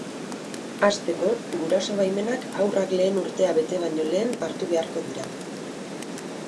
Hasteko, guraso-baimenak haurrak lehen urtea bete baino lehen hartu beharko dira.